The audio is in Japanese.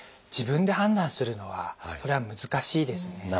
自分で判断するのはそれは難しいですね。